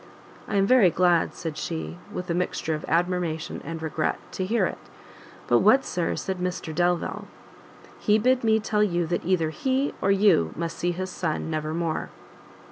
"I am very glad," said she, with a mixture of admiration and regret, "to hear it. But, what, Sir, said Mr Delvile?" "He bid me tell you that either he, or you must see his son never more."